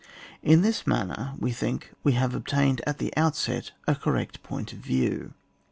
In this manner, we think, we have ob tained at the outset a correct point of view.